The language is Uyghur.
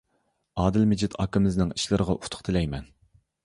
ئادىل مىجىت ئاكىمىزنىڭ ئىشلىرىغا ئۇتۇق تىلەيمەن!